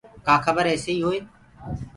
ڪآ کبر ايسيئيٚ هوئي